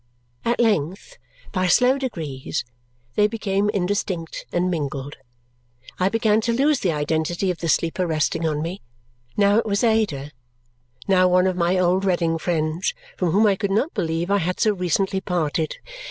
At length, by slow degrees, they became indistinct and mingled. I began to lose the identity of the sleeper resting on me. Now it was Ada, now one of my old Reading friends from whom I could not believe I had so recently parted.